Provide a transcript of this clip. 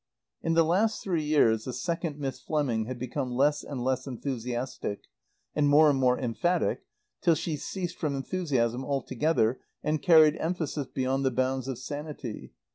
In the last three years the second Miss Fleming had become less and less enthusiastic, and more and more emphatic, till she ceased from enthusiasm altogether and carried emphasis beyond the bounds of sanity.